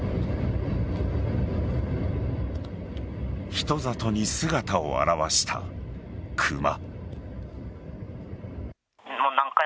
人里に姿を現したクマ。